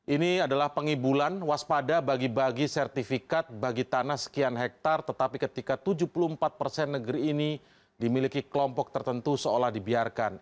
ini adalah pengibulan waspada bagi bagi sertifikat bagi tanah sekian hektare tetapi ketika tujuh puluh empat persen negeri ini dimiliki kelompok tertentu seolah dibiarkan